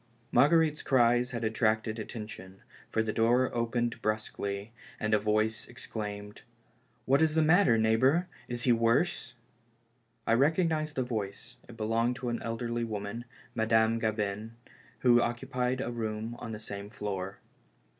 M ARGUERITE'S cries had attracted attention, for the door opened brusquely, and a voice ex claimed :" What is the matter, neighbor ? Is he worse?" I recognized the voice; it belonged to an elderly woman, Madame Gabin, who occupied a room on the same floor.